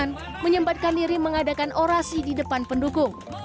mereka juga membuatkan diri mengadakan orasi di depan pendukung